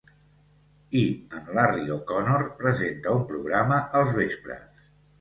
I en Larry O'Connor presenta un programa els vespres.